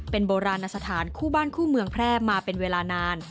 เป็นโบราณสถานคู่บ้านคู่เมืองแพร่มาเป็นเวลานาน